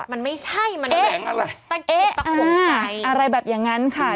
มันไม่ใช่มันแหลงอะไรเอ๊ะเอ๊ะอะไรแบบอย่างนั้นค่ะ